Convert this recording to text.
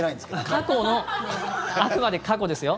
過去のあくまで過去ですよ。